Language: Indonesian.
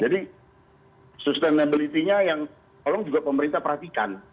jadi sustainability nya yang tolong juga pemerintah perhatikan